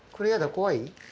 怖い？